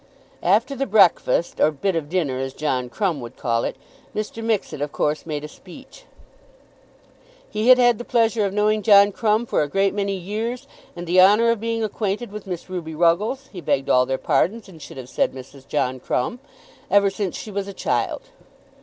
After the breakfast, or "bit of dinner," as John Crumb would call it, Mr. Mixet of course made a speech. "He had had the pleasure of knowing John Crumb for a great many years, and the honour of being acquainted with Miss Ruby Ruggles, he begged all their pardons, and should have said Mrs. John Crumb, ever since she was a child."